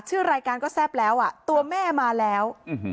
ชื่อรายการก็แซ่บแล้วอ่ะตัวแม่มาแล้ว